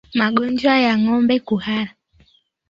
Magonjwa ya ngombe kuhara